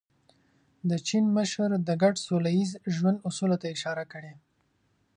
د چین مشر د ګډ سوله ییز ژوند اصولو ته اشاره کړې.